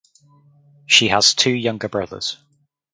She has two younger brothers.